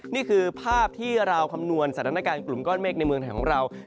นี่คือภาพที่เราคำนวณสถานการณ์กลุ่มก้อนเมฆในเมืองไทยของเรา